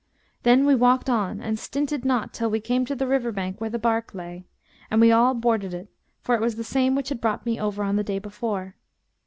Then we walked on and stinted not till we came to the river bank where the barque lay; and we all boarded it, for it was the same which had brought me over on the day before.